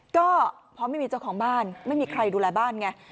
ก็เพราะไม่มีเจ้าของบ้านไม่มีใครดูแลบ้านไง